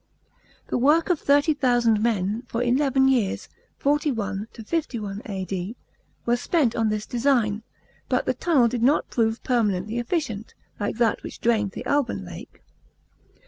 The work of thirty thousand men for eleven years (4l ~ <l A.D.) was spent on this design, but the tunnel did not prove permanently efficient, like that which drained the Alhan Lake.